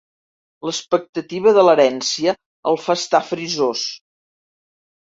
L'expectativa de l'herència el fa estar frisós.